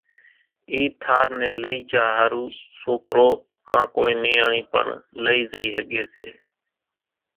اِي ٿار نين لئِي جھا ۿارُو سوڪرو ڪان ڪونئين نياڻي پڻ لئي زئي ۿڳي سي